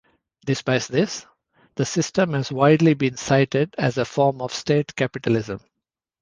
Despite this, the system has widely been cited as a form of state capitalism.